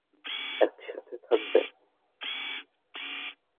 এক সাথে থাকবে?